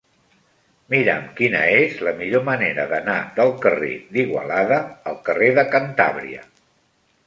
Mira'm quina és la millor manera d'anar del carrer d'Igualada al carrer de Cantàbria.